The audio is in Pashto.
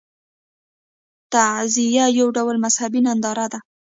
تعزیه یو ډول مذهبي ننداره ده.